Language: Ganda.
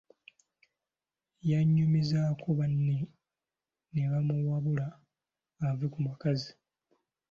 Yanyumizaako banne ne bamuwabula ave ku bakazi.